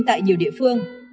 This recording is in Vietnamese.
tại nhiều địa phương